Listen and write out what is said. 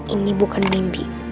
ini bukan mimpi